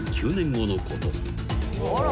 あら。